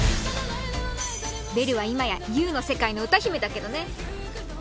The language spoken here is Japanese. ベルは今やＵの世界の歌姫だけどね。